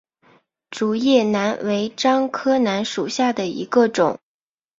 竹叶楠为樟科楠属下的一个种。